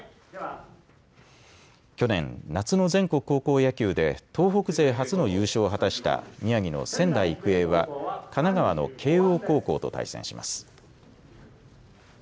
去年、夏の全国高校野球で東北勢初の優勝を果たしした宮城の仙台育英は神奈川の慶応高校と対戦します。